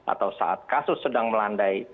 atau saat kasus sedang melandai